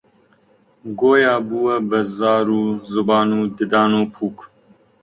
گۆیا بووە بە زار و زوبان و ددان و پووک: